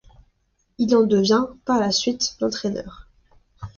Il en devient par la suite l'entraîneur.